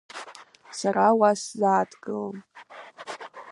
Сара уа сзааҭгылом.